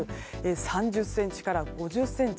３０ｃｍから５０ｃｍ